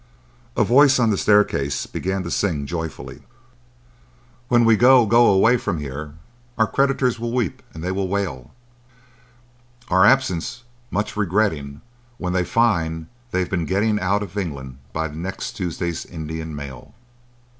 A voice on the staircase began to sing joyfully— "When we go—go—go away from here, Our creditors will weep and they will wail, Our absence much regretting when they find that they've been getting Out of England by next Tuesday's Indian mail."